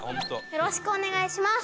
よろしくお願いします！